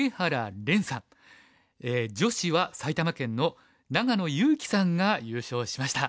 女子は埼玉県の長野優希さんが優勝しました。